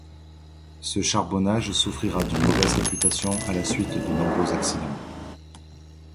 Ce charbonnage souffrira d'une mauvaise réputation à la suite de nombreux accidents.